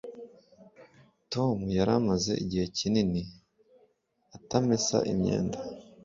tom yari amaze igihe kinini atamesa imyenda